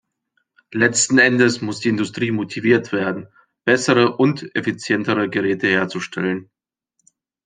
Letzten Endes muss die Industrie motiviert werden, bessere und effizientere Geräte herzustellen.